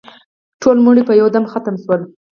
ټول مړي په یو دم ختم شول.